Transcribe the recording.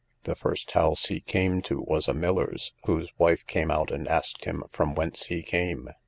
The first house he came to was a miller's, whose wife came out and asked him from whence he came?